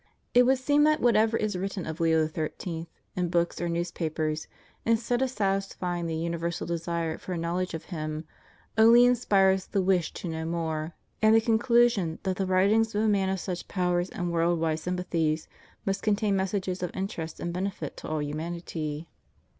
It would seem that whatever is written of Leo XIIT. in books or newspapers, instead of satisfying ttie universal desire for a knowledge of him, only inspires the wish to know more, and the conviction that the writings of a man of such powers and world wide sympathies must contain messages of interest and benefit to all humanity.